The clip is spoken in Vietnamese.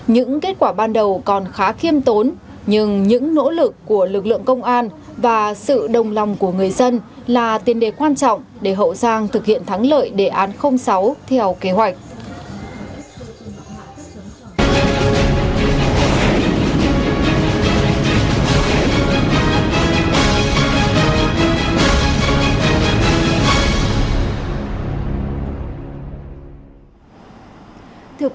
những kết quả ban đầu còn khá khiêm tốn nhưng những nỗ lực của lực lượng công an và sự đồng lòng của người dân là tiền đề quan trọng để hậu giang thực hiện thắng lợi đề án sáu theo kế hoạch